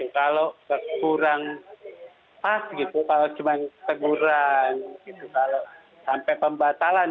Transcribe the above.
kalau kurang pas kalau cuma teguran sampai pembatalan